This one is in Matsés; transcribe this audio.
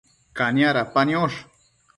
Cania dapa niosh